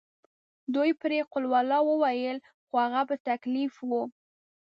دوی پرې قل هوالله وویلې خو هغه په تکلیف وویل.